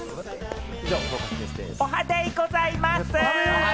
おはデイございます。